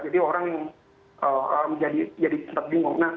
jadi orang menjadi sempat bingung